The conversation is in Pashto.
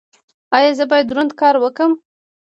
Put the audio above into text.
ایا زه باید دروند کار وکړم؟